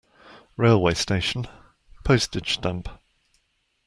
Railway station Postage stamp.